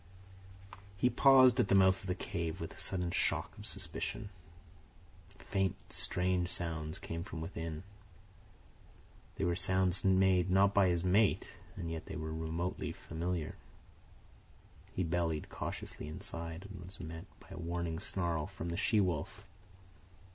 He paused at the mouth of the cave with a sudden shock of suspicion. Faint, strange sounds came from within. They were sounds not made by his mate, and yet they were remotely familiar. He bellied cautiously inside and was met by a warning snarl from the she wolf.